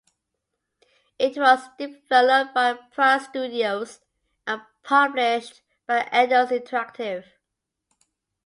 It was developed by Pyro Studios, and published by Eidos Interactive.